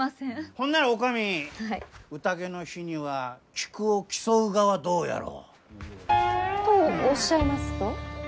ほんなら女将宴の日には菊を競うがはどうやろう？とおっしゃいますと？